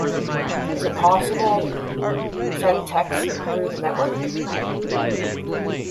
Is it possible send texts through the network?